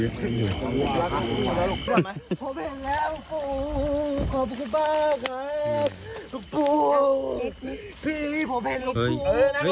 พอเผ็ดแล้วลูกปูขอบุคุณบ้าครับลูกปูพี่พอเผ็ดลูกปูเออ